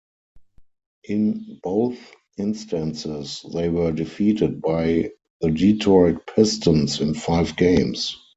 In both instances, they were defeated by the Detroit Pistons in five games.